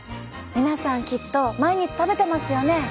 皆さんきっと毎日食べてますよね。